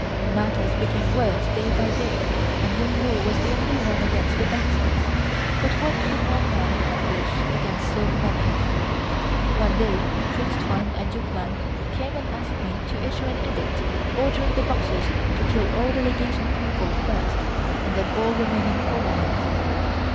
Matters became worse day by day and Yung Lu was the only one against the Boxers, but what could one man accomplish against so many? One day Prince Tuan and Duke Lan came and asked me to issue an Edict ordering the Boxers to kill all the Legation people first and then all remaining foreigners.